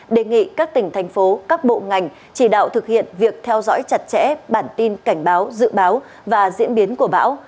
đề nghị các tỉnh thành phố các bộ ngành chỉ đạo thực hiện việc theo dõi chặt chẽ bản tin cảnh báo dự báo và diễn biến của bão